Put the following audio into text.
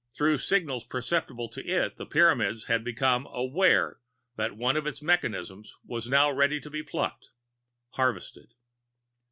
Through signals perceptible to it, the Pyramids had become "aware" that one of its mechanisms was now ready to be plucked harvested.